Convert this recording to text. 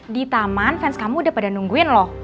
di taman fans kamu udah pada nungguin loh